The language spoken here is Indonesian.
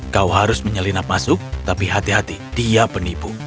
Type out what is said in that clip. kau harus menyelinap masuk tapi hati hati dia penipu